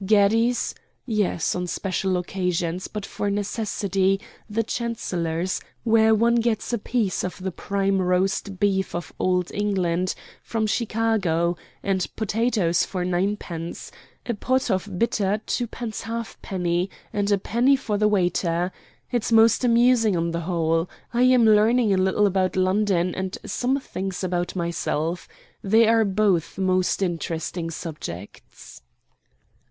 "Gatti's? Yes, on special occasions; but for necessity, the Chancellor's, where one gets a piece of the prime roast beef of Old England, from Chicago, and potatoes for ninepence a pot of bitter twopence halfpenny, and a penny for the waiter. It's most amusing on the whole. I am learning a little about London, and some things about myself. They are both most interesting subjects."